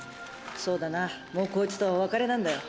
そうだなもうこいつとはお別れなんだよ。